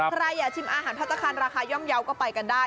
ใครชิมอาหารพัตตาคานราคาย่อมเยาะก็ไปกันได้